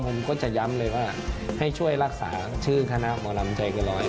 ผมก็จะย้ำเลยว่าให้ช่วยรักษาชื่อคณะหมอลำใจเกินร้อย